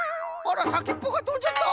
あらっさきっぽがとんじゃった！